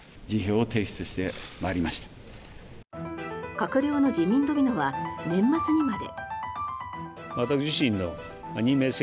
閣僚の辞任ドミノは年末にまで。